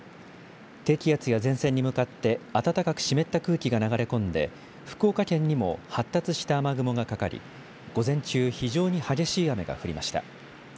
低気圧や前線に向かって暖かく湿った空気が流れ込んで福岡県にも発達した雨雲がかかり午前中非常に激しい雨が降りました。